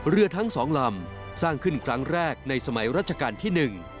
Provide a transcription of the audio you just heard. เรือทั้งสองลำสร้างขึ้นครั้งแรกในสมัยรัชกาลที่๑